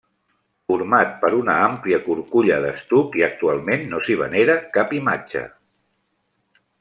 Format per una àmplia curculla d'estuc i actualment no s'hi venera cap imatge.